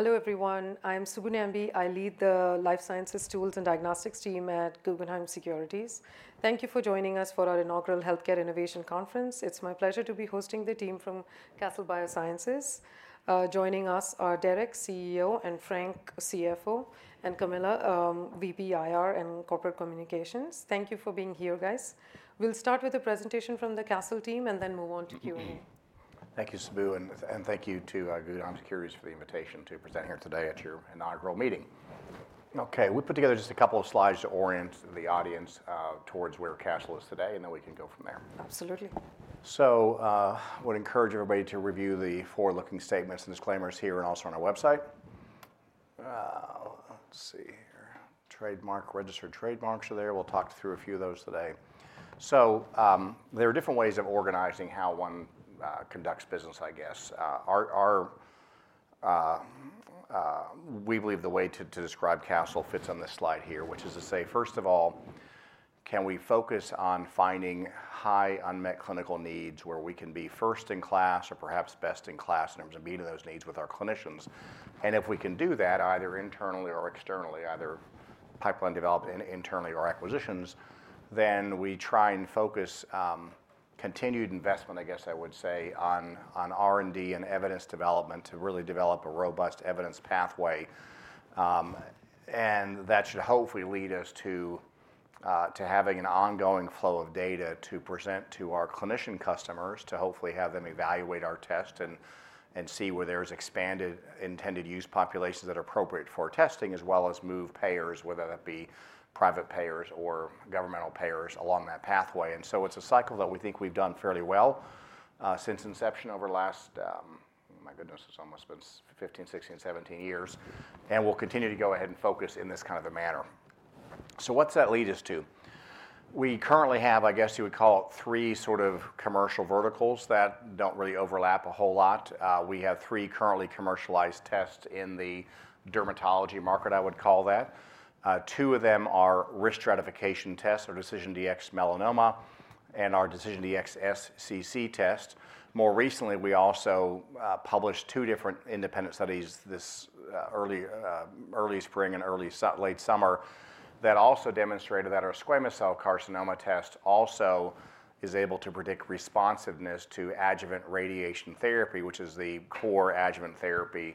Hello everyone. I'm Subbu Nambi. I lead the Life Sciences Tools and Diagnostics team at Guggenheim Securities. Thank you for joining us for our inaugural Healthcare Innovation Conference. It's my pleasure to be hosting the team from Castle Biosciences. Joining us are Derek, CEO, and Frank, CFO, and Camilla, VP IR and Corporate Communications. Thank you for being here, guys. We'll start with a presentation from the Castle team and then move on to Q&A. Thank you, Subbu, and thank you to Guggenheim Securities for the invitation to present here today at your inaugural meeting. Okay, we put together just a couple of slides to orient the audience towards where Castle is today, and then we can go from there. Absolutely. So I would encourage everybody to review the forward-looking statements and disclaimers here and also on our website. Let's see here. Trademark, registered trademarks are there. We'll talk through a few of those today. So there are different ways of organizing how one conducts business, I guess. We believe the way to describe Castle fits on this slide here, which is to say, first of all, can we focus on finding high unmet clinical needs where we can be first in class or perhaps best in class in terms of meeting those needs with our clinicians? And if we can do that either internally or externally, either pipeline development internally or acquisitions, then we try and focus continued investment, I guess I would say, on R&D and evidence development to really develop a robust evidence pathway. And that should hopefully lead us to having an ongoing flow of data to present to our clinician customers to hopefully have them evaluate our test and see where there's expanded intended use populations that are appropriate for testing, as well as move payers, whether that be private payers or governmental payers along that pathway. And so it's a cycle that we think we've done fairly well since inception over the last, my goodness, it's almost been 15, 16, 17 years, and we'll continue to go ahead and focus in this kind of a manner. So what's that lead us to? We currently have, I guess you would call it, three sort of commercial verticals that don't really overlap a whole lot. We have three currently commercialized tests in the dermatology market, I would call that. Two of them are risk stratification tests for DecisionDx-Melanoma and our DecisionDx-SCC test. More recently, we also published two different independent studies this early spring and early late summer that also demonstrated that our squamous cell carcinoma test also is able to predict responsiveness to adjuvant radiation therapy, which is the core adjuvant therapy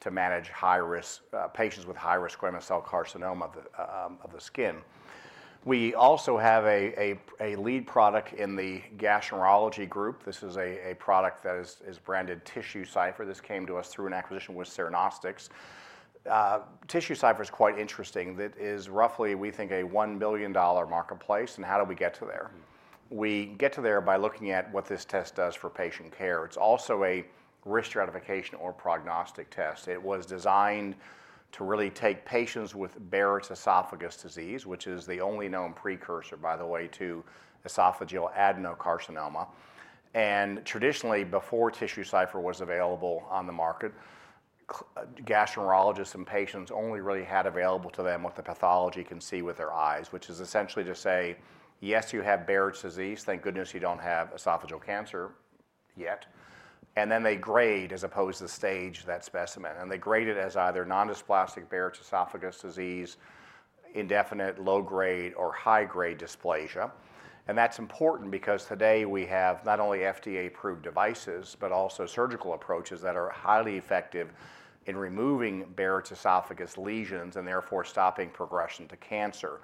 to manage high-risk patients with high-risk squamous cell carcinoma of the skin. We also have a lead product in the gastroenterology group. This is a product that is branded TissueCypher. This came to us through an acquisition with Cernostics. TissueCypher is quite interesting. That is roughly, we think, a $1 billion marketplace. And how do we get to there? We get to there by looking at what this test does for patient care. It's also a risk stratification or prognostic test. It was designed to really take patients with Barrett's esophagus disease, which is the only known precursor, by the way, to esophageal adenocarcinoma. And traditionally, before TissueCypher was available on the market, gastroenterologists and patients only really had available to them what the pathology can see with their eyes, which is essentially to say, yes, you have Barrett's disease. Thank goodness you don't have esophageal cancer yet. And then they grade as opposed to stage that specimen. And they grade it as either non-dysplastic Barrett's esophagus disease, indefinite low-grade or high-grade dysplasia. And that's important because today we have not only FDA-approved devices, but also surgical approaches that are highly effective in removing Barrett's esophagus lesions and therefore stopping progression to cancer.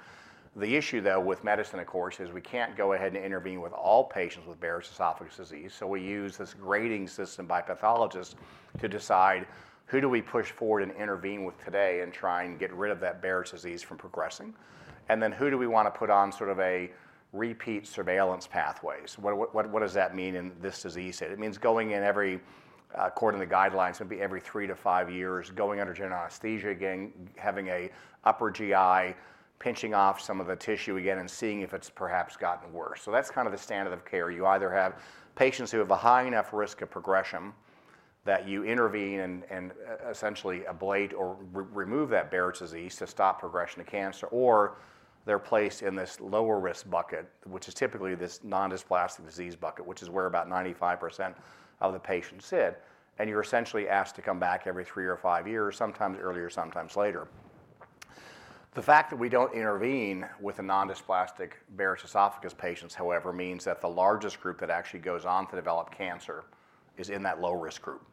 The issue, though, with medicine, of course, is we can't go ahead and intervene with all patients with Barrett's esophagus disease. So we use this grading system by pathologists to decide who do we push forward and intervene with today and try and get rid of that Barrett's disease from progressing. And then who do we want to put on sort of a repeat surveillance pathways? What does that mean in this disease? It means going in every, according to the guidelines, it would be every three to five years, going under general anesthesia, again, having an upper GI, pinching off some of the tissue again and seeing if it's perhaps gotten worse. So that's kind of the standard of care. You either have patients who have a high enough risk of progression that you intervene and essentially ablate or remove that Barrett's esophagus to stop progression to cancer, or they're placed in this lower risk bucket, which is typically this non-dysplastic disease bucket, which is where about 95% of the patients sit. And you're essentially asked to come back every three or five years, sometimes earlier, sometimes later. The fact that we don't intervene with the non-dysplastic Barrett's esophagus patients, however, means that the largest group that actually goes on to develop cancer is in that low-risk group.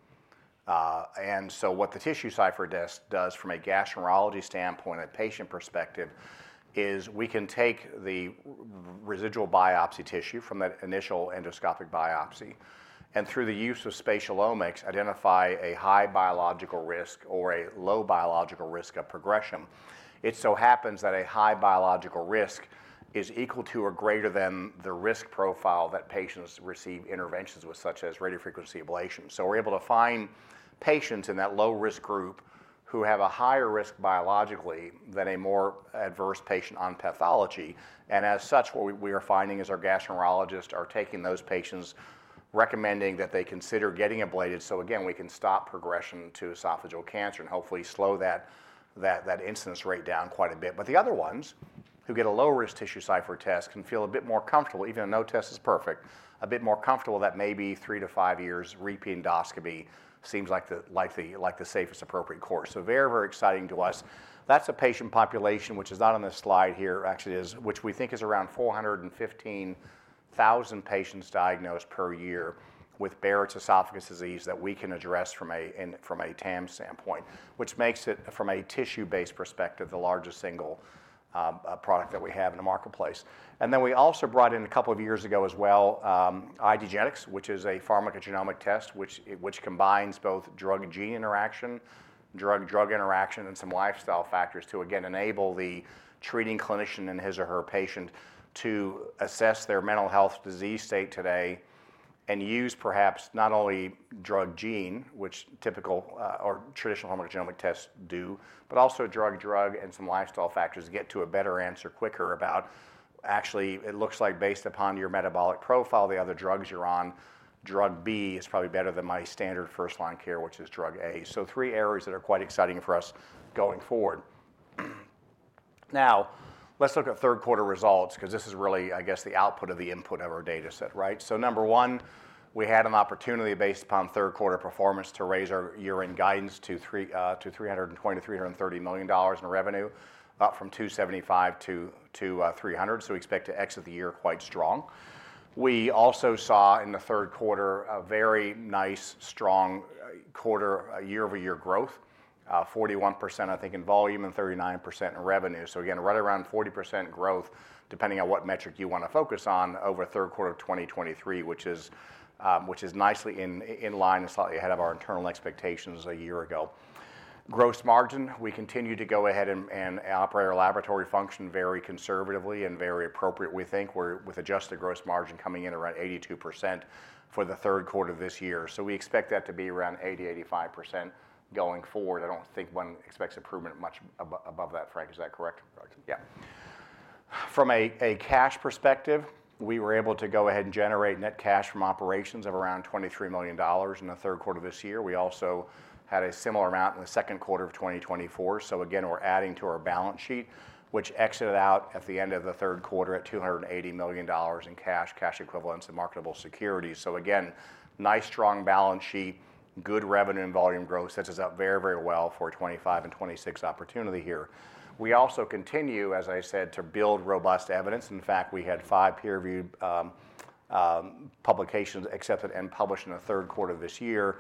And so what the TissueCypher does from a gastroenterology standpoint, a patient perspective, is we can take the residual biopsy tissue from that initial endoscopic biopsy and through the use of spatial omics, identify a high biological risk or a low biological risk of progression. It so happens that a high biological risk is equal to or greater than the risk profile that patients receive interventions with, such as radiofrequency ablation, so we're able to find patients in that low-risk group who have a higher risk biologically than a more adverse patient on pathology, and as such, what we are finding is our gastroenterologists are taking those patients, recommending that they consider getting ablated so again, we can stop progression to esophageal cancer and hopefully slow that incidence rate down quite a bit, but the other ones who get a low-risk TissueCypher test can feel a bit more comfortable, even though no test is perfect, a bit more comfortable that maybe three to five years repeat endoscopy seems like the safest appropriate course, so very, very exciting to us. That's a patient population, which is not on this slide here, actually is, which we think is around 415,000 patients diagnosed per year with Barrett's esophagus disease that we can address from a TAM standpoint, which makes it, from a tissue-based perspective, the largest single product that we have in the marketplace. And then we also brought in a couple of years ago as well, IDgenetix, which is a pharmacogenomic test which combines both drug-gene interaction, drug-drug interaction, and some lifestyle factors to again enable the treating clinician and his or her patient to assess their mental health disease state today and use perhaps not only drug gene, which typical or traditional pharmacogenomic tests do, but also drug-drug and some lifestyle factors to get to a better answer quicker about actually it looks like based upon your metabolic profile, the other drugs you're on, drug B is probably better than my standard first-line care, which is drug A. So three areas that are quite exciting for us going forward. Now, let's look at third-quarter results because this is really, I guess, the output of the input of our data set, right? Number one, we had an opportunity based upon third-quarter performance to raise our year-end guidance to $320 million-$330 million in revenue, up from $275 million-$300 million. We expect to exit the year quite strong. We also saw in the third quarter a very nice, strong quarter year-over-year growth, 41% I think in volume and 39% in revenue. Again, right around 40% growth, depending on what metric you want to focus on over third quarter of 2023, which is nicely in line and slightly ahead of our internal expectations a year ago. Gross margin, we continue to go ahead and operate our laboratory function very conservatively and very appropriately, we think, with adjusted gross margin coming in around 82% for the third quarter of this year. We expect that to be around 80%-85% going forward. I don't think one expects improvement much above that, Frank, is that correct? Correct. Yeah. From a cash perspective, we were able to go ahead and generate net cash from operations of around $23 million in the third quarter of this year. We also had a similar amount in the second quarter of 2024. So again, we're adding to our balance sheet, which exited out at the end of the third quarter at $280 million in cash, cash equivalents, and marketable securities. So again, nice strong balance sheet, good revenue and volume growth sets us up very, very well for a 2025 and 2026 opportunity here. We also continue, as I said, to build robust evidence. In fact, we had five peer-reviewed publications accepted and published in the third quarter of this year.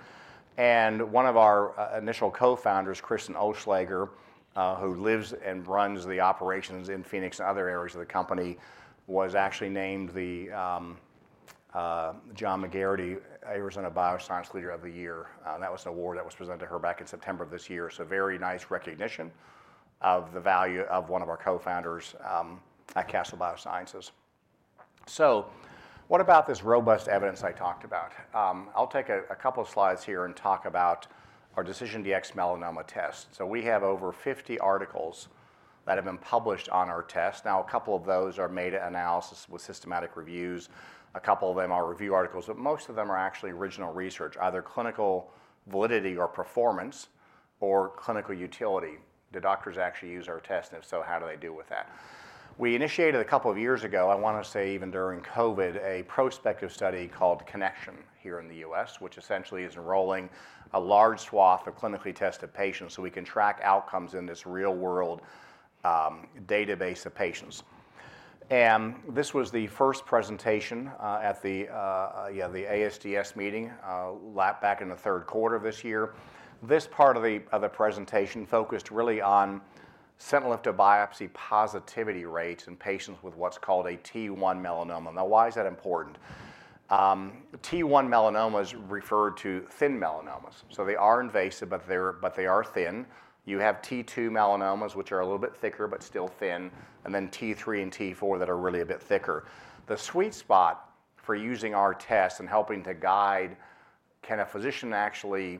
One of our initial co-founders, Kristen Oelschlager, who lives and runs the operations in Phoenix and other areas of the company, was actually named the Jon McGarity Arizona Bioscience Leader of the Year. That was an award that was presented to her back in September of this year. Very nice recognition of the value of one of our co-founders at Castle Biosciences. What about this robust evidence I talked about? I'll take a couple of slides here and talk about our DecisionDx-Melanoma test. We have over 50 articles that have been published on our test. Now, a couple of those are meta-analysis with systematic reviews. A couple of them are review articles, but most of them are actually original research, either clinical validity or performance or clinical utility. Do doctors actually use our test? And if so, how do they do with that? We initiated a couple of years ago, I want to say even during COVID, a prospective study called CONNECTION here in the U.S., which essentially is enrolling a large swath of clinically tested patients so we can track outcomes in this real-world database of patients, and this was the first presentation at the ASDS meeting back in the third quarter of this year. This part of the presentation focused really on sentinel lymph node biopsy positivity rates in patients with what's called a T1 melanoma. Now, why is that important? T1 melanomas refer to thin melanomas, so they are invasive, but they are thin. You have T2 melanomas, which are a little bit thicker, but still thin, and then T3 and T4 that are really a bit thicker. The sweet spot for using our test and helping to guide, can a physician actually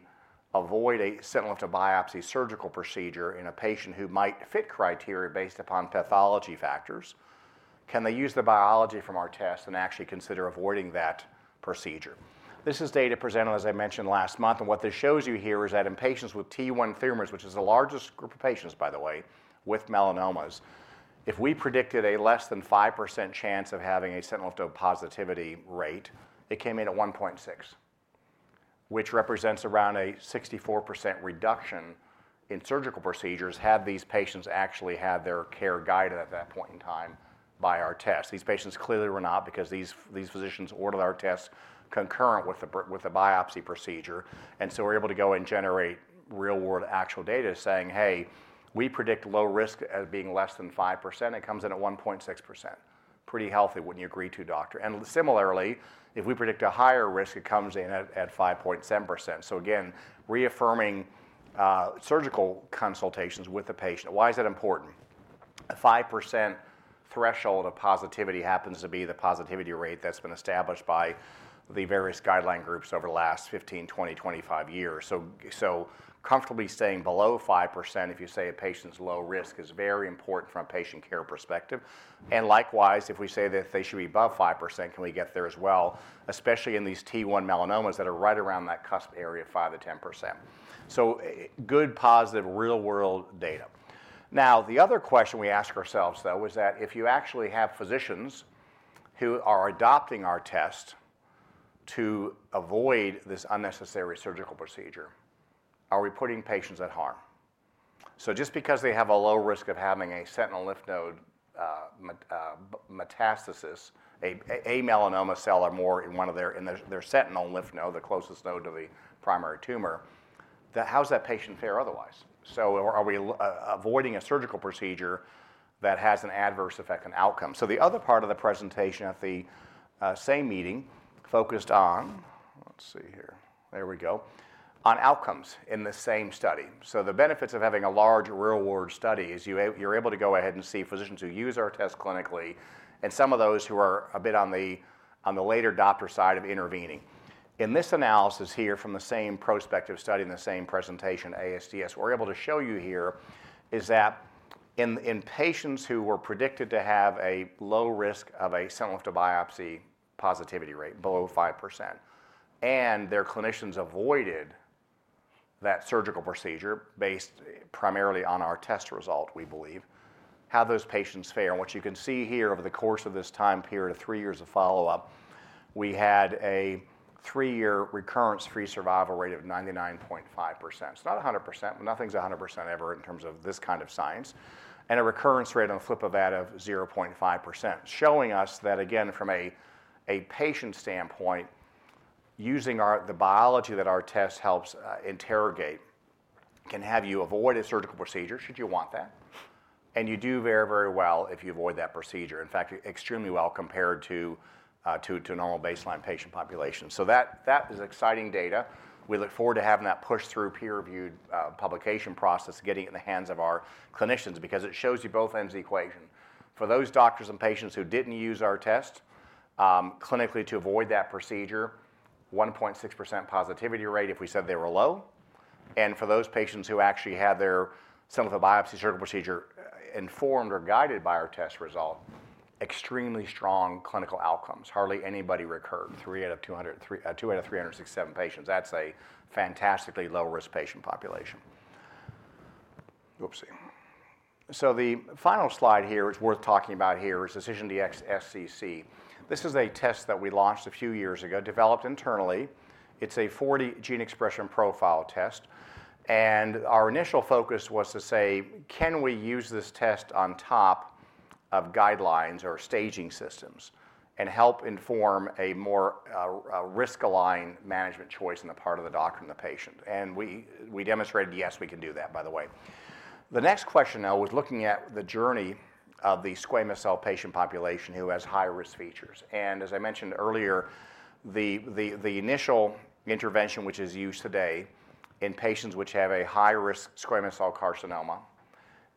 avoid a sentinel lymph node biopsy surgical procedure in a patient who might fit criteria based upon pathology factors? Can they use the biology from our test and actually consider avoiding that procedure? This is data presented, as I mentioned, last month. What this shows you here is that in patients with T1 tumors, which is the largest group of patients, by the way, with melanomas, if we predicted a less than 5% chance of having a sentinel lymph node positivity rate, it came in at 1.6%, which represents around a 64% reduction in surgical procedures had these patients actually had their care guided at that point in time by our test. These patients clearly were not because these physicians ordered our tests concurrent with the biopsy procedure. And so we're able to go and generate real-world actual data saying, "Hey, we predict low risk as being less than 5%. It comes in at 1.6%. Pretty healthy. Wouldn't you agree to, doctor?" And similarly, if we predict a higher risk, it comes in at 5.7%. So again, reaffirming surgical consultations with the patient. Why is that important? A 5% threshold of positivity happens to be the positivity rate that's been established by the various guideline groups over the last 15, 20, 25 years. So comfortably staying below 5%, if you say a patient's low risk is very important from a patient care perspective. And likewise, if we say that they should be above 5%, can we get there as well, especially in these T1 melanomas that are right around that cusp area of 5%-10%? So good, positive, real-world data. Now, the other question we ask ourselves, though, is that if you actually have physicians who are adopting our test to avoid this unnecessary surgical procedure, are we putting patients at harm? So just because they have a low risk of having a sentinel lymph node metastasis, a melanoma cell or more in one of their sentinel lymph nodes, the closest node to the primary tumor, how does that patient fare otherwise? So are we avoiding a surgical procedure that has an adverse effect on outcome? So the other part of the presentation at the same meeting focused on outcomes in the same study. So the benefits of having a large real-world study is you're able to go ahead and see physicians who use our test clinically and some of those who are a bit on the later adopter side of intervening. In this analysis here from the same prospective study and the same presentation, ASDS, what we're able to show you here is that in patients who were predicted to have a low risk of a sentinel lymph node biopsy positivity rate, below 5%, and their clinicians avoided that surgical procedure based primarily on our test result, we believe, how those patients fare. And what you can see here over the course of this time period of three years of follow-up, we had a three-year recurrence-free survival rate of 99.5%. It's not 100%, but nothing's 100% ever in terms of this kind of science. And a recurrence rate on the flip of that of 0.5%, showing us that, again, from a patient standpoint, using the biology that our test helps interrogate can have you avoid a surgical procedure should you want that. You do very, very well if you avoid that procedure, in fact, extremely well compared to normal baseline patient population. So that is exciting data. We look forward to having that push-through peer-reviewed publication process, getting it in the hands of our clinicians because it shows you both ends of the equation. For those doctors and patients who didn't use our test clinically to avoid that procedure, 1.6% positivity rate if we said they were low. And for those patients who actually had their sentinel node biopsy surgical procedure informed or guided by our test result, extremely strong clinical outcomes. Hardly anybody recurred, two out of 367 patients. That's a fantastically low-risk patient population. Whoopsie. So the final slide here is worth talking about here is DecisionDx-SCC. This is a test that we launched a few years ago, developed internally. It's a 40 gene expression profile test. And our initial focus was to say, can we use this test on top of guidelines or staging systems and help inform a more risk-aligned management choice on the part of the doctor and the patient? And we demonstrated, yes, we can do that, by the way. The next question now was looking at the journey of the squamous cell patient population who has high-risk features. And as I mentioned earlier, the initial intervention which is used today in patients which have a high-risk squamous cell carcinoma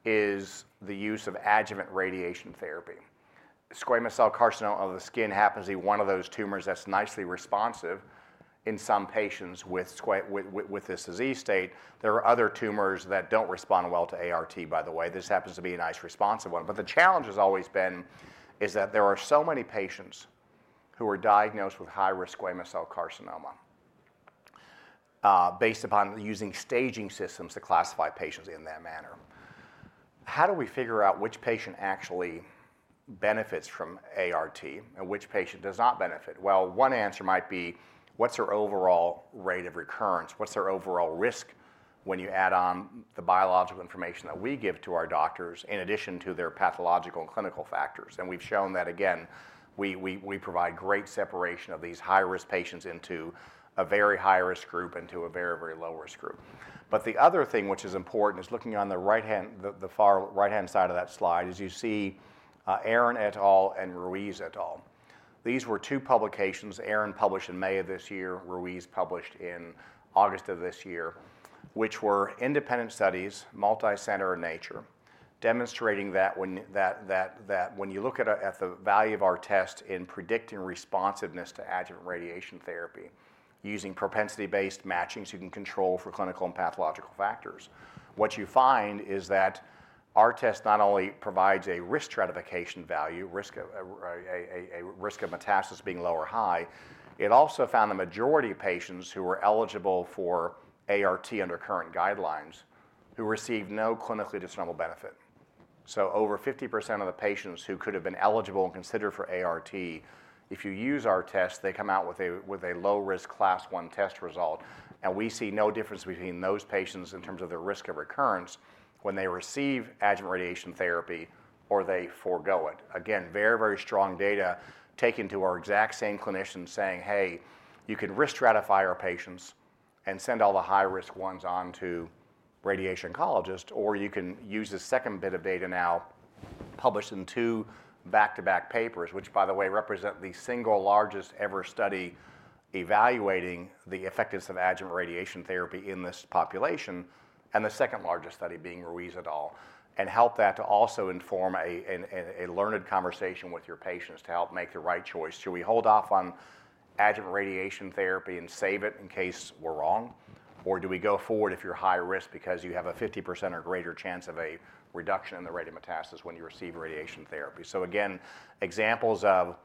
is the use of adjuvant radiation therapy. Squamous cell carcinoma of the skin happens to be one of those tumors that's nicely responsive in some patients with this disease state. There are other tumors that don't respond well to ART, by the way. This happens to be a nice responsive one. But the challenge has always been is that there are so many patients who are diagnosed with high-risk squamous cell carcinoma based upon using staging systems to classify patients in that manner. How do we figure out which patient actually benefits from ART and which patient does not benefit? Well, one answer might be, what's their overall rate of recurrence? What's their overall risk when you add on the biological information that we give to our doctors in addition to their pathological and clinical factors? And we've shown that, again, we provide great separation of these high-risk patients into a very high-risk group and to a very, very low-risk group. But the other thing which is important is looking on the right-hand side of that slide is you see Arron et al. and Ruiz et al. These were two publications. Arron published in May of this year, Ruiz published in August of this year, which were independent studies, multi-center in nature, demonstrating that when you look at the value of our test in predicting responsiveness to adjuvant radiation therapy using propensity-based matching so you can control for clinical and pathological factors, what you find is that our test not only provides a risk stratification value, risk of metastasis being low or high, it also found the majority of patients who were eligible for ART under current guidelines who received no clinically discernible benefit, so over 50% of the patients who could have been eligible and considered for ART, if you use our test, they come out with a low-risk class one test result, and we see no difference between those patients in terms of their risk of recurrence when they receive adjuvant radiation therapy or they forego it. Again, very, very strong data taken to our exact same clinicians saying, "Hey, you can risk stratify our patients and send all the high-risk ones on to radiation oncologists," or you can use the second bit of data now published in two back-to-back papers, which, by the way, represent the single largest ever study evaluating the effectiveness of adjuvant radiation therapy in this population, and the second largest study being Ruiz et al., and help that to also inform a learned conversation with your patients to help make the right choice. Should we hold off on adjuvant radiation therapy and save it in case we're wrong? Or do we go forward if you're high risk because you have a 50% or greater chance of a reduction in the rate of metastasis when you receive radiation therapy? So again, examples of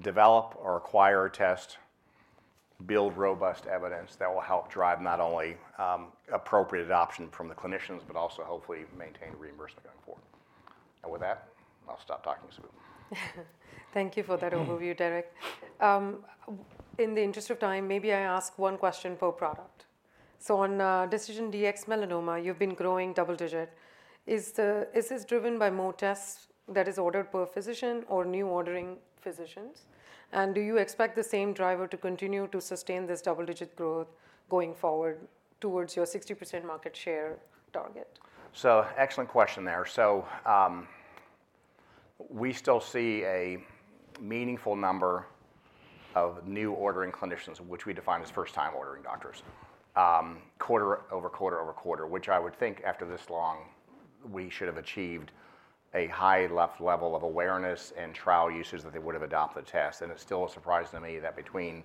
develop or acquire a test, build robust evidence that will help drive not only appropriate adoption from the clinicians, but also hopefully maintain reimbursement going forward. And with that, I'll stop talking soon. Thank you for that overview, Derek. In the interest of time, maybe I ask one question per product. So on DecisionDx-Melanoma, you've been growing double-digit. Is this driven by more tests that is ordered per physician or new ordering physicians? And do you expect the same driver to continue to sustain this double-digit growth going forward towards your 60% market share target? So, excellent question there. So, we still see a meaningful number of new ordering clinicians, which we define as first-time ordering doctors, quarter over quarter over quarter, which I would think after this long, we should have achieved a high enough level of awareness and trial usage that they would have adopted the test. And, it's still a surprise to me that between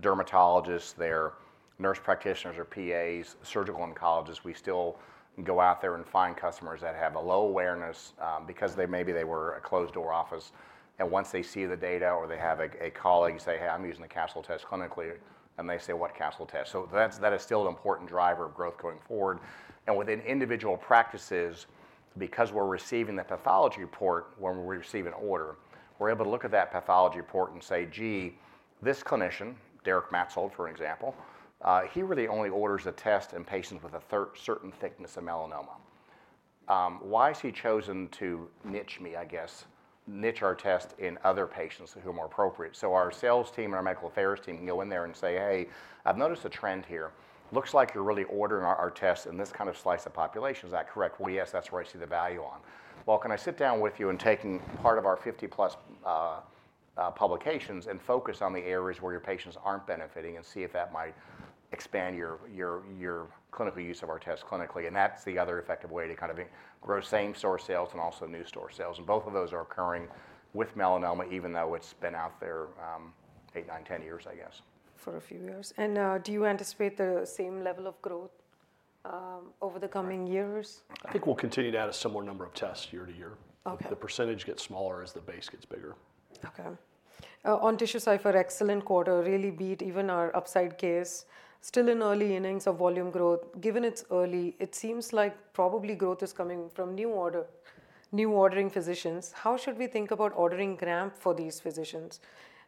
dermatologists, their nurse practitioners or PAs, surgical oncologists, we still go out there and find customers that have a low awareness because maybe they were a closed-door office. And once they see the data or they have a colleague say, "Hey, I'm using the Castle test clinically," and they say, "What Castle test?" So, that is still an important driver of growth going forward. Within individual practices, because we're receiving the pathology report when we receive an order, we're able to look at that pathology report and say, "Gee, this clinician, Derek Maetzold, for example, he really only orders a test in patients with a certain thickness of melanoma. Why has he chosen to niche me, I guess, niche our test in other patients who are more appropriate?" So our sales team and our medical affairs team can go in there and say, "Hey, I've noticed a trend here. Looks like you're really ordering our test in this kind of slice of population. Is that correct?" "Well, yes, that's where I see the value on." "Well, can I sit down with you and take part of our 50+ publications and focus on the areas where your patients aren't benefiting and see if that might expand your clinical use of our test clinically?" and that's the other effective way to kind of grow same-store sales and also new-store sales, and both of those are occurring with melanoma, even though it's been out there eight, nine, 10 years, I guess. For a few years. And do you anticipate the same level of growth over the coming years? I think we'll continue to add a similar number of tests year to year. The percentage gets smaller as the base gets bigger. Okay. On TissueCypher, excellent quarter. Really beat even our upside case. Still in early innings of volume growth. Given it's early, it seems like probably growth is coming from new ordering physicians. How should we think about ordering ramp for these physicians?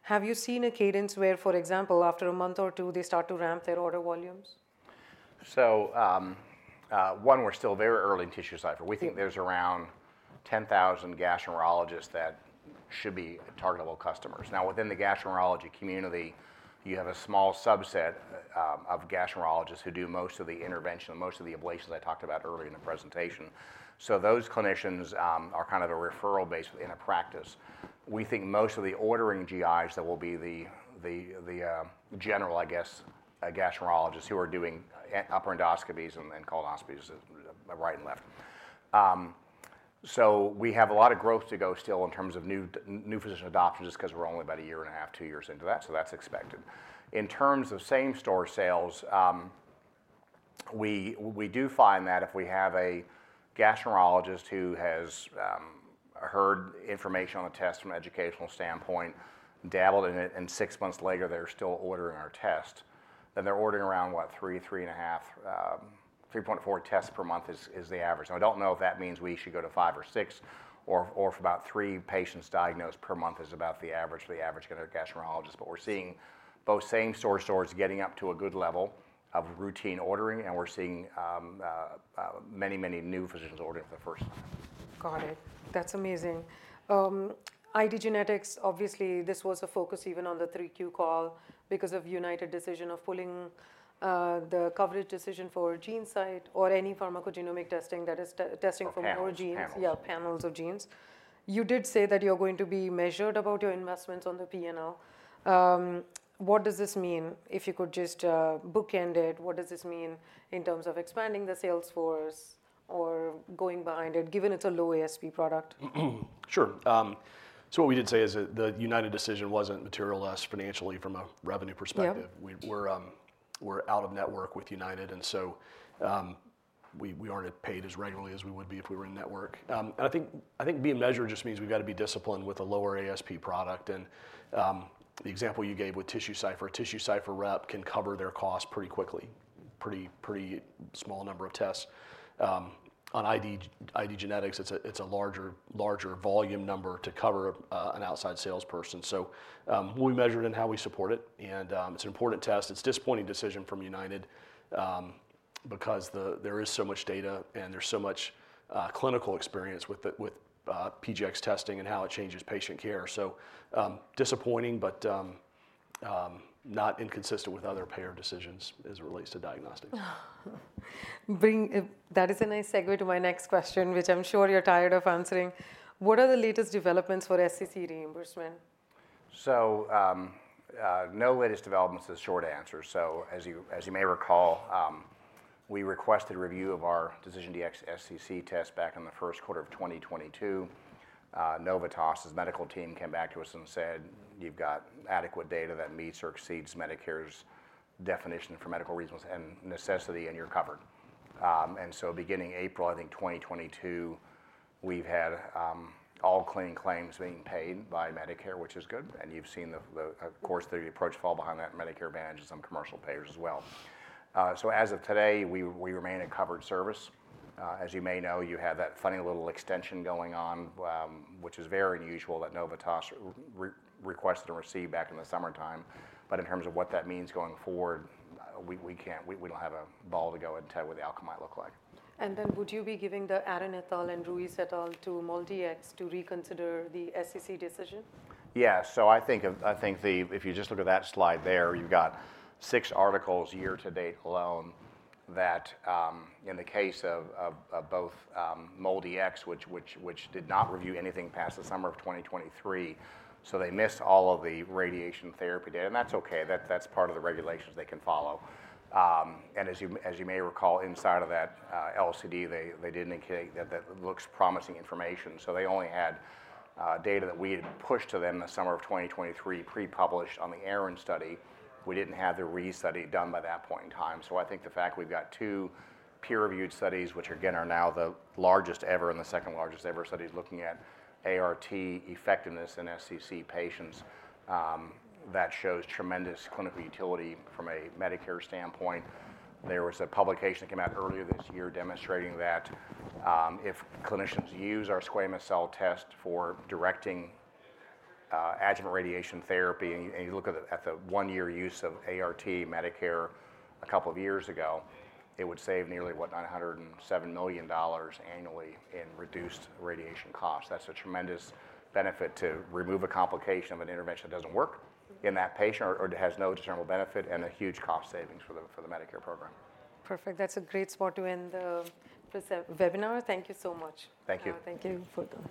Have you seen a cadence where, for example, after a month or two, they start to ramp their order volumes? So, one, we're still very early in TissueCypher. We think there's around 10,000 gastroenterologists that should be targetable customers. Now, within the gastroenterology community, you have a small subset of gastroenterologists who do most of the intervention and most of the ablations I talked about earlier in the presentation. So those clinicians are kind of a referral base in a practice. We think most of the ordering GIs that will be the general, I guess, gastroenterologists who are doing upper endoscopies and colonoscopies right and left. So we have a lot of growth to go still in terms of new physician adoptions just because we're only about a year and a half, two years into that, so that's expected. In terms of same-store sales, we do find that if we have a gastroenterologist who has heard information on the test from an educational standpoint, dabbled in it, and six months later, they're still ordering our test, then they're ordering around, what, three, 3.5, 3.4 tests per month is the average. Now, I don't know if that means we should go to five or six, or if about three patients diagnosed per month is about the average for the average gastroenterologist, but we're seeing both same-store stores getting up to a good level of routine ordering, and we're seeing many, many new physicians ordering for the first time. Got it. That's amazing. IDgenetix, obviously, this was a focus even on the 3Q call because of UnitedHealthcare's decision of pulling the coverage decision for GeneSight or any pharmacogenomic testing that is testing for more genes. Panels. Yeah, panels of genes. You did say that you're going to be measured about your investments on the P&L. What does this mean? If you could just bookend it, what does this mean in terms of expanding the sales force or going behind it, given it's a low ASP product? Sure. So what we did say is that the UnitedHealthcare decision wasn't material to us financially from a revenue perspective. We're out of network with UnitedHealthcare, and so we aren't paid as regularly as we would be if we were in network, and I think being measured just means we've got to be disciplined with a lower ASP product, and the example you gave with TissueCypher, TissueCypher rep can cover their cost pretty quickly, pretty small number of tests. On IDgenetix, it's a larger volume number to cover an outside salesperson, so we measured in how we support it, and it's an important test. It's a disappointing decision from UnitedHealthcare because there is so much data and there's so much clinical experience with PGX testing and how it changes patient care. So disappointing, but not inconsistent with other payer decisions as it relates to diagnostics. That is a nice segue to my next question, which I'm sure you're tired of answering. What are the latest developments for DecisionDx-SCC reimbursement? No latest developments is a short answer. As you may recall, we requested review of our DecisionDx-SCC test back in the first quarter of 2022. Novitas's medical team came back to us and said, "You've got adequate data that meets or exceeds Medicare's definition for medical reasons and necessity, and you're covered." Beginning April, I think 2022, we've had all clean claims being paid by Medicare, which is good. You've seen, of course, the approvals follow behind that Medicare Advantage and some commercial payers as well. As of today, we remain a covered service. As you may know, you have that funny little extension going on, which is very unusual that Novitas requested and received back in the summertime. In terms of what that means going forward, we don't have a crystal ball to go on what the outcome might look like. And then would you be giving the Arron et al. and Ruiz et al. to MolDX to reconsider the DecisionDx-SCC decision? Yeah. So I think if you just look at that slide there, you've got six articles year-to-date alone that, in the case of both MolDX, which did not review anything past the summer of 2023, so they missed all of the radiation therapy data. And that's okay. That's part of the regulations they can follow. And as you may recall, inside of that LCD, they didn't indicate that that looks promising information. So they only had data that we had pushed to them in the summer of 2023, pre-published on the Arron study. We didn't have the Ruiz study done by that point in time. So I think the fact we've got two peer-reviewed studies, which again are now the largest ever and the second largest ever studies looking at ART effectiveness in DecisionDx-SCC patients, that shows tremendous clinical utility from a Medicare standpoint. There was a publication that came out earlier this year demonstrating that if clinicians use our squamous cell test for directing adjuvant radiation therapy, and you look at the one-year use of ART Medicare a couple of years ago, it would save nearly, what, $907 million annually in reduced radiation costs. That's a tremendous benefit to remove a complication of an intervention that doesn't work in that patient or has no discernible benefit and a huge cost savings for the Medicare program. Perfect. That's a great spot to end the webinar. Thank you so much. Thank you. Thank you for.